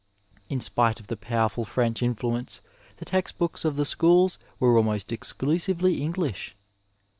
In spite of the powerful French influence the text books of the schools were almost exdusiyely English.